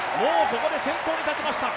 ここで先頭に立ちました。